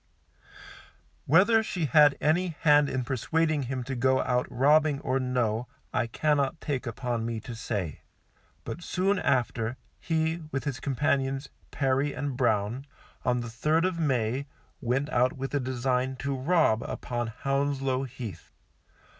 Whether she had any hand in persuading him to go out robbing or no, I cannot take upon me to say, but soon after, he, with his companions, Perry and Brown, on the 3rd of May, went out with a design to rob upon Hounslow Heath.